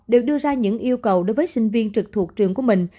đều đưa ra những yêu cầu đối với sinh viên trực thuộc trường của mình